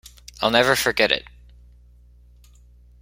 I'll never forget it.